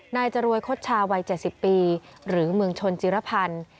นายจรวยคดชาวัย๗๐ปีหรือเมืองชนจิรพันธ์